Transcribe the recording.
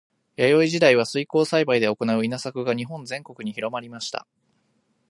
弥生時代は水耕栽培で行う稲作が日本全国に広まりました。